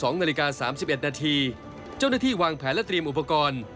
๒นาฬิกา๓๑นาทีเจ้าหน้าที่วางแผนและเตรียมอุปกรณ์